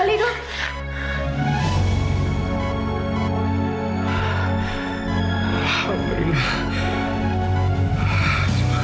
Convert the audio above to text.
tetap jantung kembali dong